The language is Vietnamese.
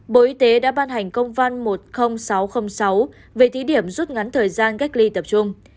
bộ y tế đã ban hành công văn một mươi nghìn sáu trăm linh sáu về thí điểm rút ngắn thời gian cách ly tập trung